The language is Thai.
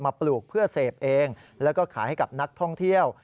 ปลูกเพื่อเสพเองแล้วก็ขายให้กับนักท่องเที่ยว